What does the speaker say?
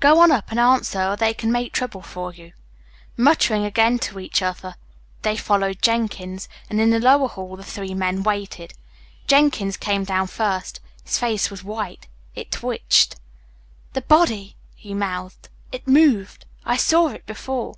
"Go on up and answer or they can make trouble for you." Muttering again to each other, they followed Jenkins, and in the lower hall the three men waited. Jenkins came down first. His face was white. It twitched. "The body!" he mouthed. "It's moved! I saw it before."